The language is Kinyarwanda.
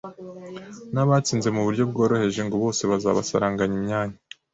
Nabatsinze mu buryo bworoheje ngo bose bazabasaranganya imyanya